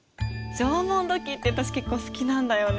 縄文土器って私結構好きなんだよね。